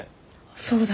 そうだ。